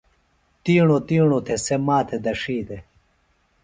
تِیݨوۡ تِیݨوۡ تھےۡ سےۡ ما تھےۡ دڇھی دےۡ۔